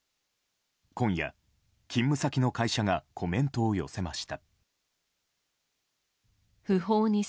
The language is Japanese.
今夜、勤務先の会社がコメントを寄せました。